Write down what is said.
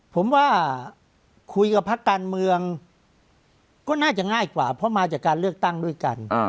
ผมว่าคุยกับพักการเมืองก็น่าจะง่ายกว่าเพราะมาจากการเลือกตั้งด้วยกัน